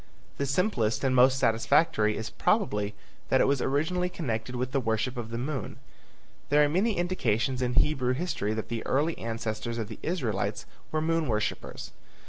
The simplest and most satisfactory is probably that it was originally connected with the worship of the moon. There are many indications in Hebrew history that the early ancestors of the Israelites were moon worshippers.